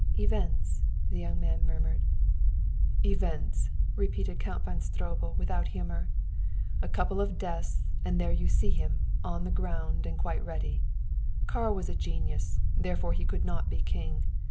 "Events!" the young man murmured. "Events!" repeated Count von Stroebel without humor. "A couple of deaths and there you see him, on the ground and quite ready. Karl was a genius, therefore he could not be king.